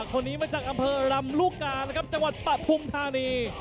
คนนี้มาจากอำเภอรำลูกกานะครับจังหวัดปฐุมธานี